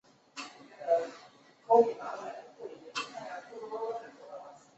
一些间隙漏出的光在内部全反射角度出现一个渐逝波。